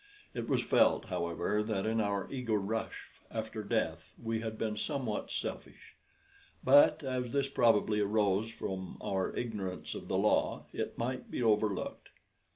It was felt, however, that in our eager rush after death we had been somewhat selfish; but as this probably arose from our ignorance of the law, it might be overlooked.